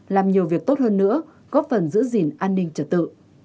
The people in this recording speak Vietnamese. làm nhiều việc tốt hơn nữa góp phần giữ gìn an ninh trật tự